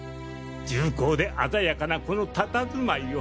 重厚で鮮やかなこの佇まいを。